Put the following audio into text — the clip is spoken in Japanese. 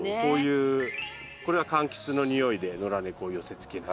これは柑橘のにおいで野良猫を寄せつけない。